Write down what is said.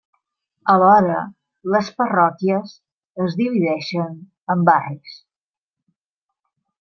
Alhora, les parròquies es divideixen en barris.